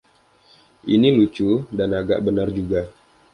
Ini lucu, dan agak benar juga!